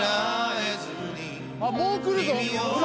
もうくるぞ！